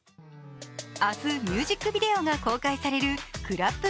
明日、ミュージックビデオが公開される「ＣＬＡＰＣＬＡＰ」。